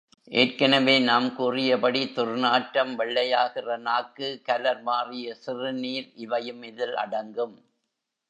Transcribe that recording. ஏற்கெனவே நாம் கூறிய படி, துர்நாற்றம், வெள்ளையாகிற நாக்கு, கலர் மாறிய சிறுநீர் இவையும் இதில் அடங்கும்.